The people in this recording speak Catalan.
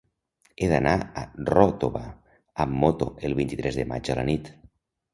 He d'anar a Ròtova amb moto el vint-i-tres de maig a la nit.